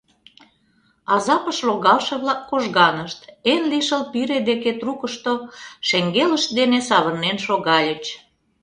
Азапыш логалше-влак кожганышт, эн лишыл пире деке трукышто шеҥгелышт дене савырнен шогальыч.